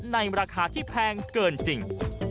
ในราคาที่แพงเกินจริง